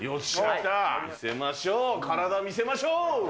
見せましょう、体見せましょう。